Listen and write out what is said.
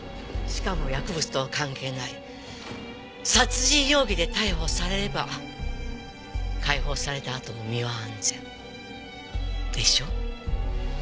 しかも薬物とは関係ない殺人容疑で逮捕されれば解放されたあとも身は安全。でしょう？